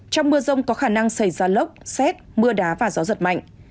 trong mưa rông có khả năng xảy ra lốc xét mưa đá và gió giật mạnh